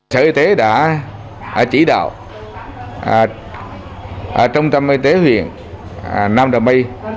sở y tế đã chỉ đạo trung tâm y tế huyện nam trà my